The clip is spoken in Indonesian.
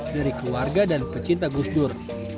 dari keluarga dan pecinta gusdur